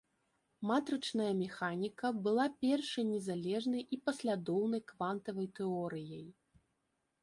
Матрычная механіка была першай незалежнай і паслядоўнай квантавай тэорыяй.